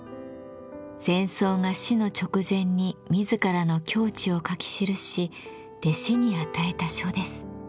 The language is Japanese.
禅僧が死の直前に自らの境地を書き記し弟子に与えた書です。